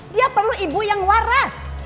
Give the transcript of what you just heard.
dia perlu ibu yang waras